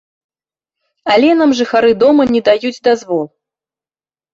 Але нам жыхары дома не даюць дазвол.